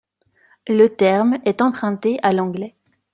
Le terme est emprunté à l'anglais.